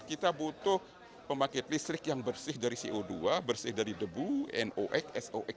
kita butuh pembangkit listrik yang bersih dari co dua bersih dari debu nox sox